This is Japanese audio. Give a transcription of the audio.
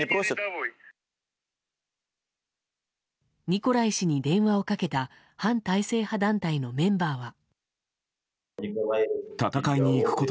ニコライ氏に電話をかけた反体制派団体のメンバーは。